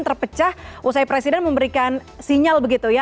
terpecah usai presiden memberikan sinyal begitu ya